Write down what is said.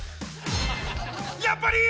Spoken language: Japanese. やっぱり！